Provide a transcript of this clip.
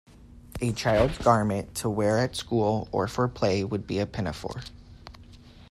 A child's garment to wear at school or for play would be a pinafore.